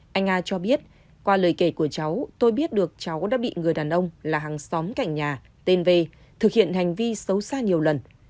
anh a cho biết qua lời kể của cháu tôi biết được cháu đã bị người đàn ông là hàng xóm cảnh nhà tv thực hiện hành vi xấu xa nhiều lần